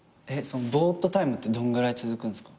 そのぼーっとタイムってどんぐらい続くんすか？